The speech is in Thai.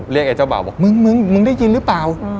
ไอ้เจ้าบ่าวบอกมึงมึงได้ยินหรือเปล่า